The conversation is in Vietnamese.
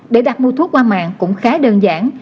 để đặt mua thuốc qua mạng cũng khá đơn giản